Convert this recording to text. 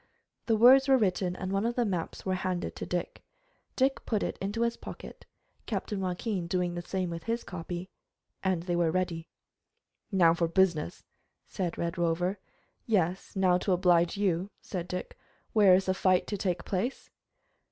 The words were written, and one of the maps was handed to Dick. Dick put it into his pocket, Captain Joaquin doing the same with his copy, and they were ready. "Now for business," said the Red Rover. "Yes, now to oblige you," said Dick. "Where is the fight to take place?"